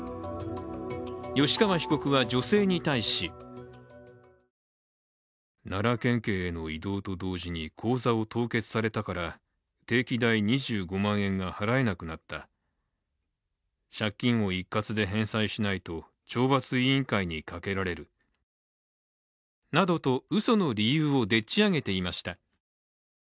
吉川被告は、女性に対しなどとうその理由をでっち上げていました。